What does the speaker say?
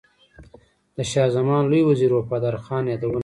د شاه زمان لوی وزیر وفادار خان یادونه کړې.